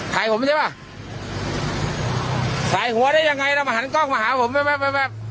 ถ่ายผมไม่ใช่ป่ะใส่หัวได้ยังไงแล้วมาหันกล้องมาหาผมแบบ